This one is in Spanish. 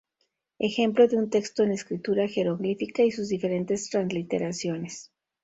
Ejemplo de un texto en escritura jeroglífica y sus diferentes transliteraciones.